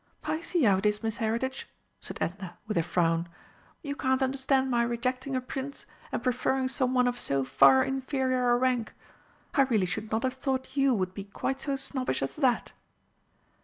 "I see how it is, Miss Heritage," said Edna, with a frown, "You can't understand my rejecting a Prince and preferring some one of so far inferior a rank. I really should not have thought you would be quite so snobbish as that!"